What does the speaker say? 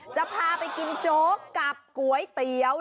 จะพาไปกินโจ๊กกับก๋วยเตี๋ยว